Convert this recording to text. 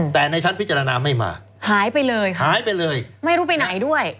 แต่ในชั้นพิจารณาไม่มาหายไปเลยไม่รู้ไปไหนด้วย